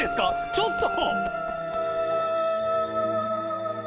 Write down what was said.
ちょっと！